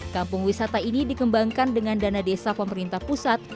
kampung wisata ini dikembangkan dengan dana desa pemerintah pusat